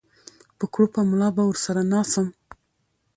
په کړوپه ملا به ورسره ناڅم